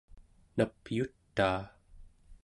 napyutaa